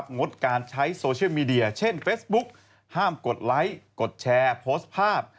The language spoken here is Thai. งดการใช้โซเชียลมีเดียเช่นเฟซบุ๊กห้ามกดไลค์กดแชร์โพสต์ภาพ